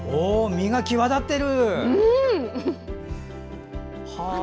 実が際立ってる！